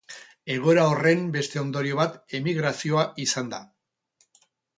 Egoera horren beste ondorio bat emigrazioa izan da.